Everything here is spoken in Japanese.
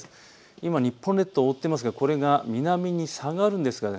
今、日本列島を覆っていますがこれが南に下がるんです。